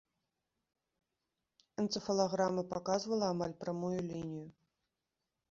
Энцэфалаграма паказвала амаль прамую лінію.